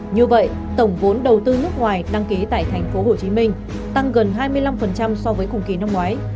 như vậy tổng vốn đầu tư nước ngoài đăng ký tại tp hcm tăng gần hai mươi năm so với cùng kỳ năm ngoái